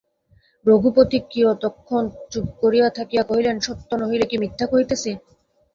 রঘুপতি কিয়ৎক্ষণ চুপ করিয়া থাকিয়া কহিলেন, সত্য নহিলে কি মিথ্যা কহিতেছি?